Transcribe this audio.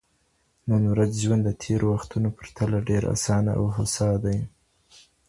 د نن ورځې ژوند د تېرو وختونو په پرتله ډېر اسانه او هوسا دی.